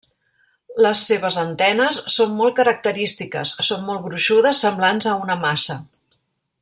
Les seves antenes són molt característiques: són molt gruixudes, semblants a una maça.